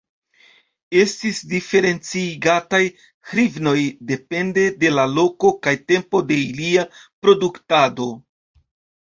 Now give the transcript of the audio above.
Estis diferencigataj hrivnoj depende de la loko kaj tempo de ilia produktado.